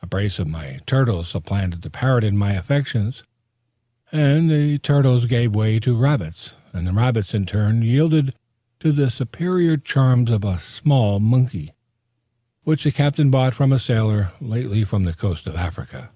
A brace of turtles supplanted the parrot in my affections; the turtles gave way to rabbits; and the rabbits in turn yielded to the superior charms of a small monkey, which the Captain bought of a sailor lately from the coast of Africa.